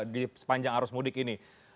di sepanjang arus mudik ini